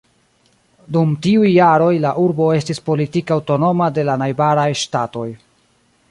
Dum tiuj jaroj la urbo estis politike aŭtonoma de la najbaraj ŝtatoj.